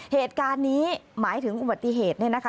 เหตุการณ์นี้หมายถึงอุบัติเหตุเนี่ยนะคะ